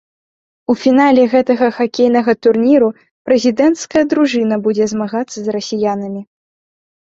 У фінале гэтага хакейнага турніру прэзідэнцкая дружына будзе змагацца з расіянамі.